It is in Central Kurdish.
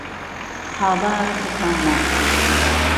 هاوار کهتانه